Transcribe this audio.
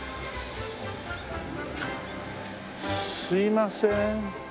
すいません。